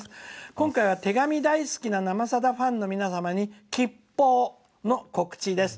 今回は手紙大好きな「生さだ」ファンの皆様に吉報の告知です。